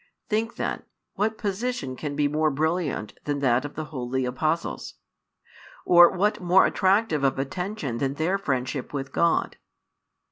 Think then, what position can be more brilliant than that of the holy Apostles? or what more attractive of attention than their friendship with God?